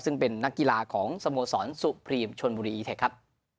ซึ่งเป็นนักกีฬาของสโมสรสุพรีมชนบุรีอีเทคครับ